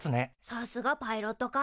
さすがパイロット科。